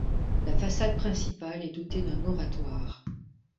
La façade principale est dotée d'un oratoire.